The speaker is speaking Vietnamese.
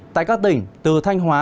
tại các tỉnh từ thanh hóa